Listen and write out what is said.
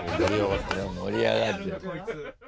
盛り上がってる。